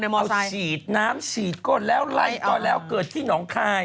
เอาฉีดน้ำฉีดก่อนแล้วไล่ก่อนแล้วเกิดที่หนองคาย